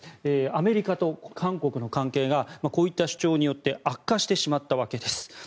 アメリカと韓国の関係がこういった主張によって悪化してしまったわけです。